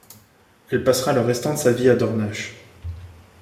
Elle passera le restant de sa vie à Dornach.